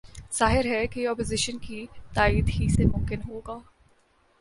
ظاہر ہے کہ یہ اپوزیشن کی تائید ہی سے ممکن ہو گا۔